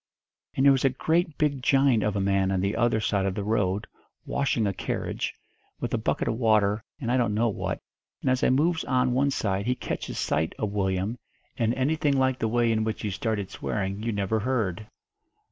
"And there was a great big giant of a man on the other side of the road, washing a carriage, with a bucket of water and I don't know what, and as I moves on one side he catches sight of Willyum, and anything like the way in which he started swearing you never heard.